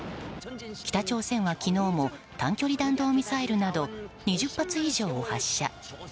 北朝鮮は昨日も短距離弾道ミサイルなど２０発以上を発射。